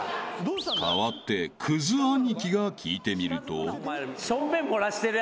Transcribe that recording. ［代わってクズ兄貴が聞いてみると］